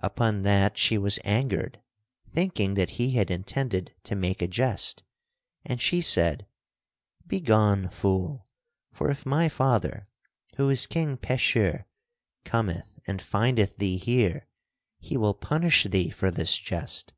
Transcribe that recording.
Upon that she was angered thinking that he had intended to make a jest and she said: "Begone, fool, for if my father, who is King Pecheur, cometh and findeth thee here, he will punish thee for this jest."